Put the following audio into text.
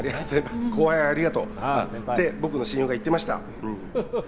後輩ありがとうと僕の親友が言ってました。